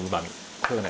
これがね